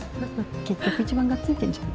結局一番がっついてんじゃん。